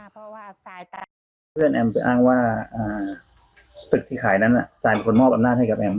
เพื่อนแอมไปอ้างว่าอ่าตึกที่ขายนั้นน่ะทรายเป็นคนมอบอำนาจให้กับแอม